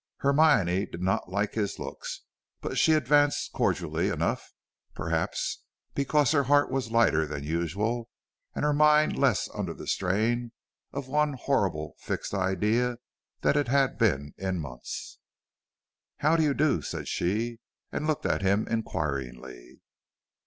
Hermione did not like his looks, but she advanced cordially enough, perhaps because her heart was lighter than usual, and her mind less under the strain of one horrible fixed idea than it had been in months. "How do you do?" said she, and looked at him inquiringly.